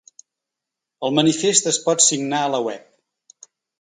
El manifest es pot signar a la web.